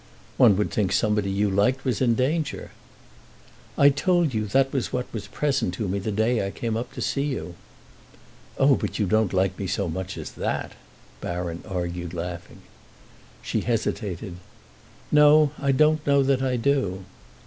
"One would think somebody you liked was in danger." "I told you that that was what was present to me the day I came up to see you." "Oh, but you don't like me so much as that," Baron argued, laughing. She hesitated. "No, I don't know that I do."